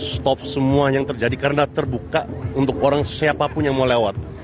stop semua yang terjadi karena terbuka untuk orang siapapun yang mau lewat